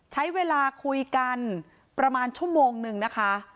ใช้เวลาคุยกันประมาณชั่วโมงนึงนะคะ